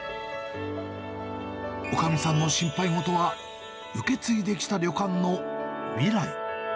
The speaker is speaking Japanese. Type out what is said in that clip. おかみさんの心配事は、受け継いできた旅館の未来。